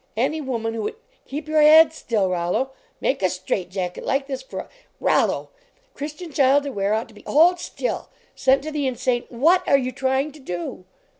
Any woman who would keep your head still, Rollo ! make a straight jacket like this for a ROLLO ! Christian child to wear ought to be hold still ! sent to the insane WHAT are you trying to do?